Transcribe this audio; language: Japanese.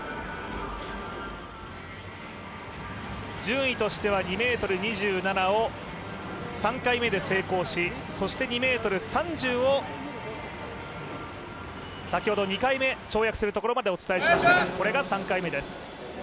順位としては２ｍ２７を３回目で成功し、そして、２ｍ３０を先ほど２回目跳躍するところまでお伝えしました、これが３回目です。